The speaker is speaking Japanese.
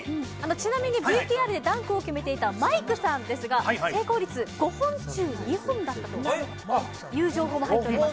ちなみにＶＴＲでダンクを決めていたマイクさんですが、成功率５本中２本だったという情報も入っています。